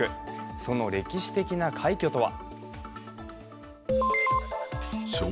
その歴史的な快挙とは？